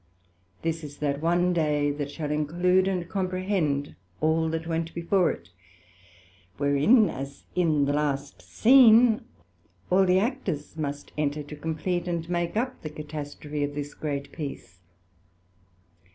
This is that one day, that shall include and comprehend all that went before it; wherein, as in the last scene, all the Actors must enter, to compleat and make up the Catastrophe of this great piece.